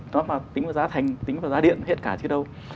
nó mà tính vào giá thành tính vào giá điện hết cả chứ đâu